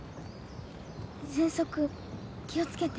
ぜんそく気を付けて。